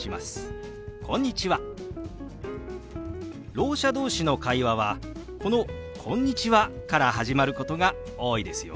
ろう者同士の会話はこの「こんにちは」から始まることが多いですよ。